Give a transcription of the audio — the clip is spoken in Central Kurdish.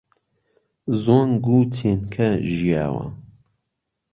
زۆنگ و چێنکە ژیاوە